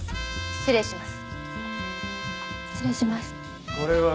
失礼します。